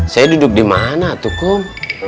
saya duduk di mana tukung